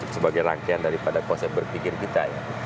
sebagai rangkaian daripada konsep berpikir kita ya